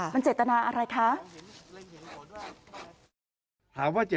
มันเจตนาอะไรคะ